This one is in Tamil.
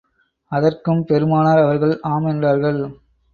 அதற்கும் பெருமானார் அவர்கள் ஆம் என்றார்கள்.